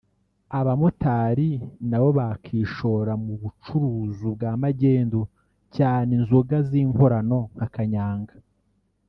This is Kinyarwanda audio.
abamotari na bo bakishora mu bucuruzu bwa magendu cyane inzoga z’inkorano nka kanyanga